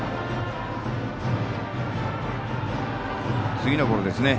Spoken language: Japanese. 次のボールですね。